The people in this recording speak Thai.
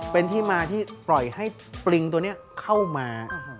เป็นที่มาที่ปล่อยให้ปริงตัวนี้เข้ามา